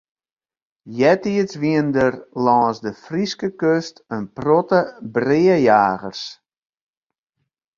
Eartiids wienen der lâns de Fryske kust in protte breajagers.